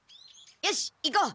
よし行こう！